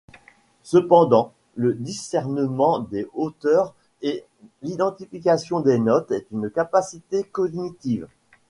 Cependant, le discernement des hauteurs et l'identification des notes est une capacité cognitive.